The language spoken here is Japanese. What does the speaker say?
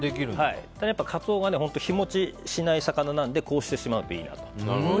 カツオが日持ちしない魚なのでこうしたほうがいいと。